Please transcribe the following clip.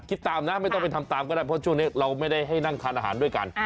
คิดตามนะไม่ต้องไปทำตามก็ได้เพราะช่วงนี้เราไม่ได้ให้นั่งทานอาหารด้วยกัน